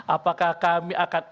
apakah kami akan